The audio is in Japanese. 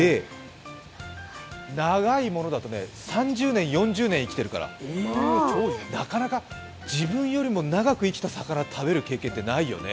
長いものだと３０年、４０年生きてるから、なかなか自分よりも長く生きた魚食べる経験ってないよね。